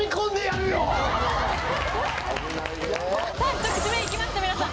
一口目行きました皆さん。